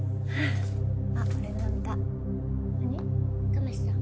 亀さん。